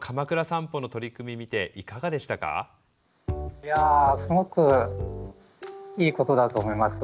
いやすごくいいことだと思います。